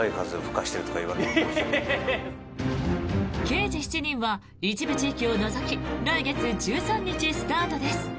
「刑事７人」は一部地域を除き来月１３日スタートです。